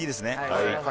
はい。